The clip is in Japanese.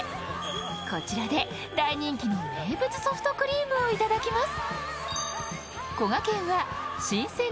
こちらで大人気の名物ソフトクリームをいただきます。